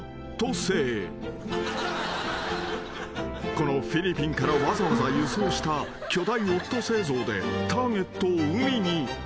［このフィリピンからわざわざ輸送した巨大オットセイ像でターゲットを海に落っとします］